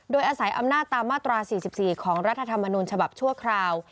โดยอาศัยอำนาจตามมาตรา๔๔ของรัฐธรรมนูญฉบับชั่วคราว